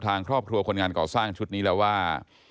ทางครอบครัวคนงานก่อสร้างชุดนี้แล้วว่า